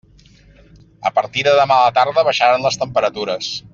A partir de demà a la tarda baixaran les temperatures.